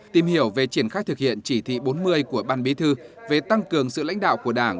tìm hiểu về triển khai thực hiện chỉ thị bốn mươi của ban bí thư về tăng cường sự lãnh đạo của đảng